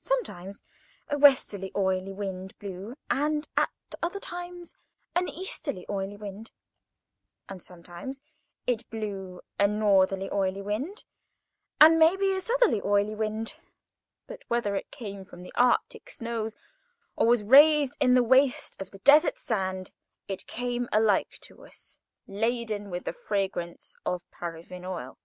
Sometimes a westerly oily wind blew, and at other times an easterly oily wind, and sometimes it blew a northerly oily wind, and maybe a southerly oily wind; but whether it came from the Arctic snows, or was raised in the waste of the desert sands, it came alike to us laden with the fragrance of paraffine oil.